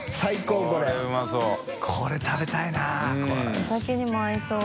お酒にも合いそう。